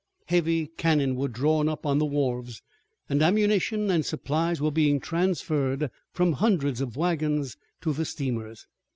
Heavy cannon were drawn up on the wharves, and ammunition and supplies were being transferred from hundreds of wagons to the steamers.